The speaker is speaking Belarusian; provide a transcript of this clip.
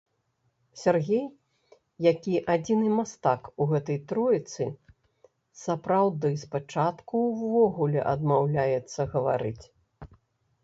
Сяргей, які адзіны мастак у гэтай тройцы, сапраўды спачатку ўвогуле адмаўляецца гаварыць.